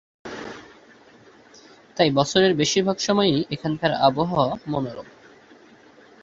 তাই বছরের বেশিরভাগ সময়েই এখানকার আবহাওয়া মনোরম।